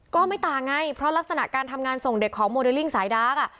ก็ไม่ต่างไงเพราะลักษณะการทำงานส่งเด็กของโมเดลลิ่งสายดาร์ก